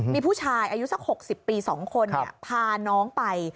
มีผู้ชายอายุสัก๖๐ปี๒คนพาน้องไป